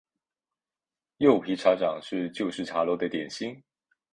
柚皮鸭掌是旧式茶楼的点心。